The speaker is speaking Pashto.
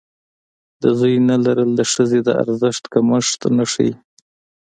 د زوی نه لرل د ښځې د ارزښت کمښت نه ښيي.